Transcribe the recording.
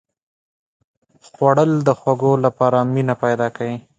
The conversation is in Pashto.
خوړل د خوږو لپاره مینه پیدا کوي